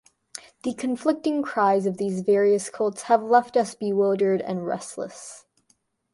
The conflicting cries of these various cults have left us bewildered and restless.